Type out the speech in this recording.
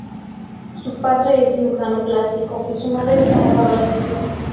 Su padre es cirujano plástico y su madre es trabajadora social.